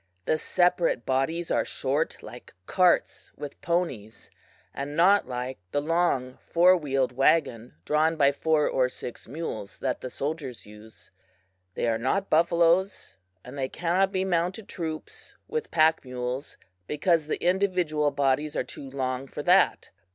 The separate bodies are short, like carts with ponies, and not like the long, four wheeled wagon drawn by four or six mules, that the soldiers use. They are not buffaloes, and they cannot be mounted troops, with pack mules, because the individual bodies are too long for that.